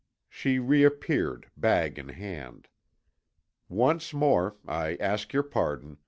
She reappeared, bag in hand. "Once more I ask your pardon....